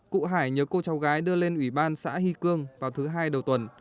cụ hải nhớ cô cháu gái đưa lên ủy ban xã hy cương vào thứ hai đầu tuần